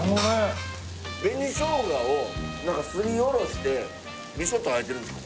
紅しょうがをすりおろして味噌と和えてるんですか？